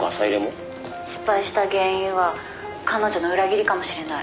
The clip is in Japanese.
「失敗した原因は彼女の裏切りかもしれない」